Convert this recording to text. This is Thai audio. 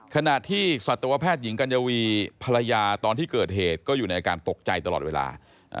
ขณะที่สัตวแพทย์หญิงกัญญวีภรรยาตอนที่เกิดเหตุก็อยู่ในอาการตกใจตลอดเวลา